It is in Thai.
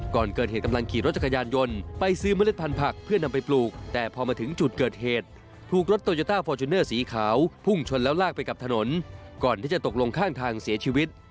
ก่อนเกิดเหตุกำลังขี่รถจักรยานยนต์ไปซื้อเมล็ดพันธุ์เพื่อนำไปปลูกแต่พอมาถึงจุดเกิดเหตุถูกรถโตโยต้าฟอร์จูเนอร์สีขาวพุ่งชนแล้วลากไปกับถนนก่อนที่จะตกลงข้างทางเสียชีวิต